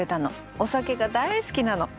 お酒が大好きなの。